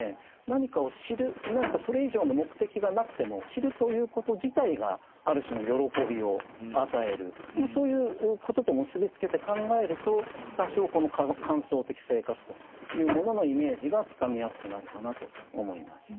何かを知る何かそれ以上の目的がなくてもそういうことと結び付けて考えると多少この観想的生活というもののイメージがつかみやすくなるかなと思います。